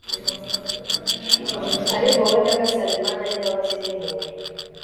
ariko wowe, nyagasani, mana y'imbabazi n'impuhwe